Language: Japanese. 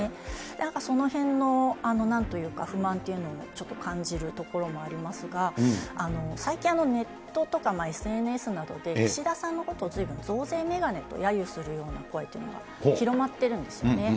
なんかそのへんの不満っていうのをちょっと感じるところもありますが、最近、ネットとかＳＮＳなどで、岸田さんのことをずいぶん増税メガネとやゆするような声っていうのが広まってるんですね。